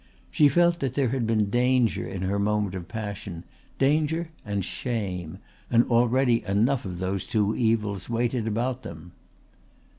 She felt that there had been danger in her moment of passion, danger and shame; and already enough of those two evils waited about them.